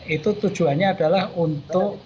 itu tujuannya adalah untuk